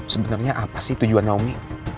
sebenarnya apa sih tujuan naomi